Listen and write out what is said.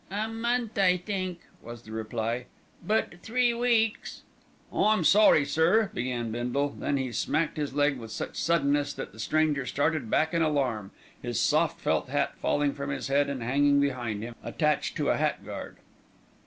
"A month, I think," was the reply; "but three weeks " "I'm sorry, sir," began Bindle, then he smacked his leg with such suddenness that the stranger started back in alarm, his soft felt hat falling from his head and hanging behind him attached to a hat guard.